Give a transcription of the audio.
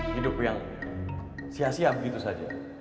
hidup yang sia sia begitu saja